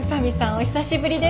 お久しぶりです。